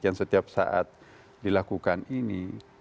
yang setiap saat dilakukan ini